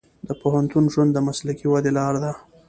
د پوهنتون ژوند د مسلکي ودې لار ده.